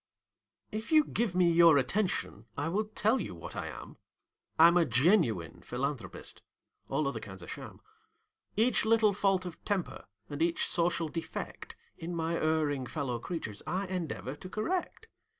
If you give me your attention, I will tell you what I am: I'm a genuine philanthropist all other kinds are sham. Each little fault of temper and each social defect In my erring fellow creatures, I endeavor to correct.